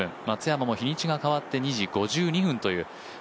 松山も日にちが変わって２時５２分という。